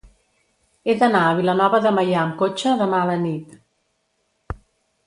He d'anar a Vilanova de Meià amb cotxe demà a la nit.